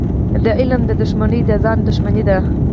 د علم دښمني د ځان دښمني ده.